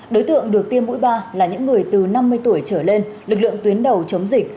đối tượng được tiêm mũi ba là những người từ năm mươi tuổi trở lên lực lượng tuyến đầu chống dịch